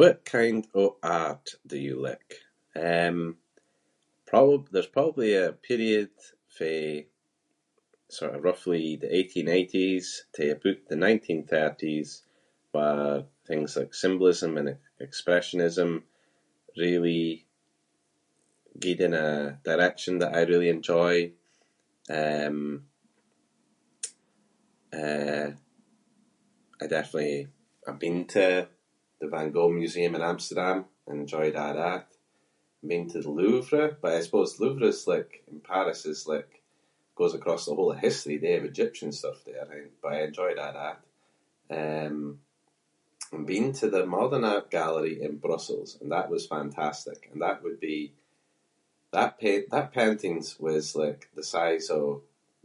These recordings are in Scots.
What kind of art do you like? Um, proba- there’s probably a period fae, sort of, roughly the eighteen eighties to aboot the nineteen thirties where things like symbolism and e-expressionism really gied in a direction that I really enjoy. Um, eh, I definitely- I’m been to the Van Gogh museum in Amsterdam and enjoyed a’ that. I’m been to the Louvre but I suppose the Louvre’s like, in Paris, is like- goes across the whole of history- they have Egyptian stuff there I- but I enjoyed a’ that. Um, I’m been to the modern art gallery in Brussels and that was fantastic and that would be- that pai- that paintings was like the size of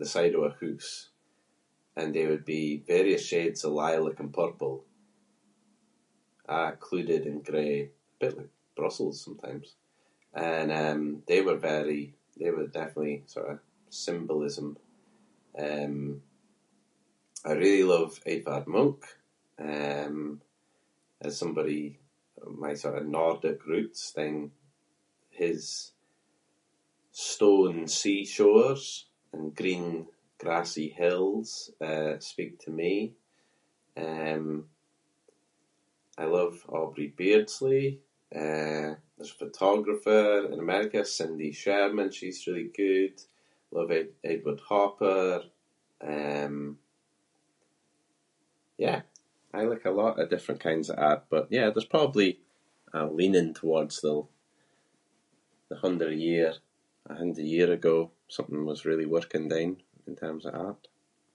the side of a hoose and they would be various shades of lilac and purple a’ clouded in grey- bit like Brussels sometimes- and, um, they were very- they were definitely, sort of, symbolism. Um, I really love Edvard Munch, um, as somebody- my sort of Nordic roots then his stone sea shores and green, grassy hills, eh, speak to me. Um, I love Aubrey Beardsley. Eh, there’s a photographer in America, Cindy Sherman- she’s really good. Love Ed- Edward Hopper. Um, yeah, I like a lot of different kinds of art but yeah, there’s probably a leaning towards the- the hundred year- a hundred year ago. Something was really working then in terms of art.